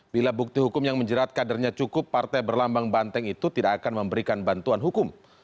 bila bukti hukum yang menjerat kadernya cukup partai berlambang banteng itu tidak akan memberikan bantuan hukum